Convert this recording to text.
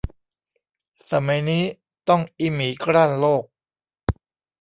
สมัยนี้ต้องอีหมีกร้านโลก